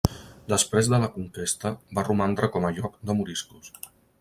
Després de la conquesta, va romandre com a lloc de moriscos.